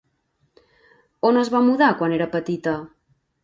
On es va mudar quan era petita?